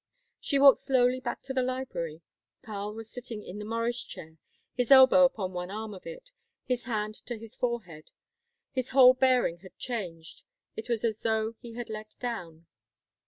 She walked slowly back to the library. Karl was sitting in the Morris chair, his elbow upon one arm of it, his hand to his forehead. His whole bearing had changed; it was as though he had let down.